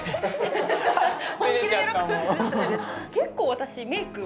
結構私メイク